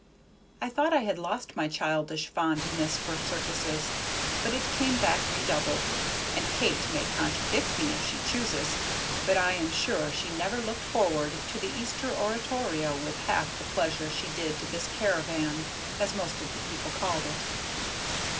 I thought I had lost my childish fondness for circuses, but it came back redoubled; and Kate may contradict me if she chooses, but I am sure she never looked forward to the Easter Oratorio with half the pleasure she did to this "caravan," as most of the people called it.